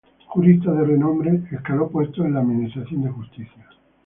Jurista de renombre, escaló puestos en la Administración de Justicia.